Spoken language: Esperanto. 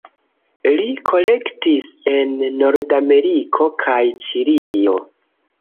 Li kolektis en Nordameriko kaj Ĉilio.